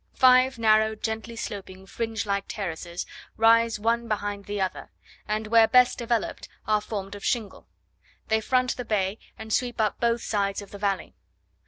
Five narrow, gently sloping, fringe like terraces rise one behind the other, and where best developed are formed of shingle: they front the bay, and sweep up both sides of the valley.